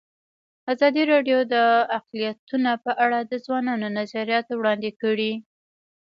ازادي راډیو د اقلیتونه په اړه د ځوانانو نظریات وړاندې کړي.